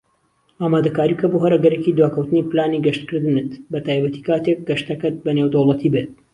ئامادەکاری بکە بۆ هەر ئەگەرێکی دواکەوتنی پلانی گەشتکردنت، بەتایبەتی کاتیک گەشتەکەت بە نێودەوڵەتی بێت.